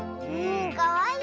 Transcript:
かわいい！